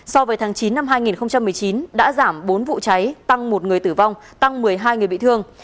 so với tháng chín năm hai nghìn một mươi chín đã giảm bốn vụ cháy tăng một người tử vong tăng một mươi hai người bị thương